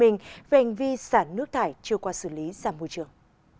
về hành vi sản nước thải chưa qua xử lý ra môi trường